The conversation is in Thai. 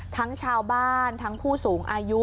ทั้งชาวบ้านทั้งผู้สูงอายุ